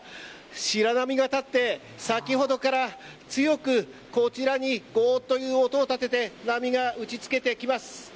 白波が立って、先ほどから強く、こちらにゴーという音を立てて波が打ち付けてきます。